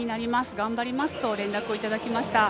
頑張りますと連絡をいただきました。